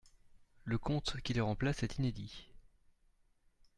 Le conte qui le remplace est inédit.